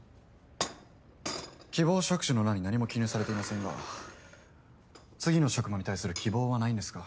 希望職種の欄に何も記入されていませんが次の職場に対する希望はないんですか？